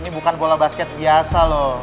ini bukan bola basket biasa loh